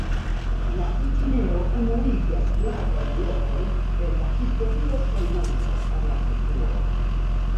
La itinero unuigas gravajn lokojn el la historio kaj montras al la futuro.